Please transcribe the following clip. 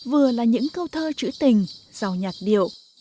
vừa là những câu thơ chữ tình dò nhạc điệu